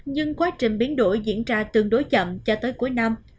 nhưng quá trình biến đổi diễn ra tương đối chậm cho tới cuối năm